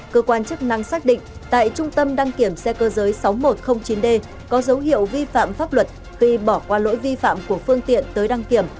cơ quan chức năng xác định tại trung tâm đăng kiểm xe cơ giới sáu nghìn một trăm linh chín d có dấu hiệu vi phạm pháp luật khi bỏ qua lỗi vi phạm của phương tiện tới đăng kiểm